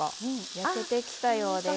焼けてきたようです。